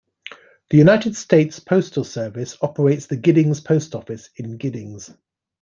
The United States Postal Service operates the Giddings Post Office in Giddings.